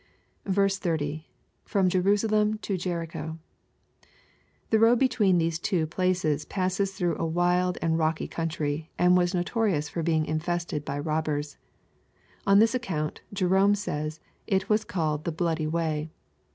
30. — [From Jerusdiem to Jericho^l The road between these two places passed through a wild and rocky country, and was noto rious for being mfegted by robbers. On this accountj Jerome saya^ it was called '* the bloody way."